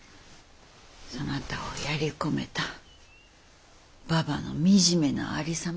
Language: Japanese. そなたをやり込めたババの惨めなありさまを見られて。